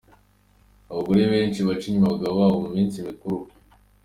Abagore benshi baca inyuma abagabo babo mu minsi mikuru